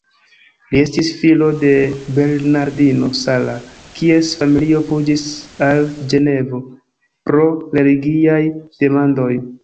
Li estis filo de Bernardino Sala, kies familio fuĝis al Ĝenevo pro religiaj demandoj.